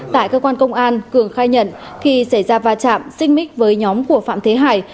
tại cơ quan công an cường khai nhận khi xảy ra va chạm xích mích với nhóm của phạm thế hải